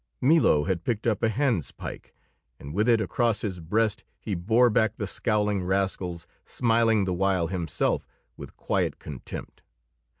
Milo had picked up a handspike, and with it across his breast he bore back the scowling rascals, smiling the while himself with quiet contempt.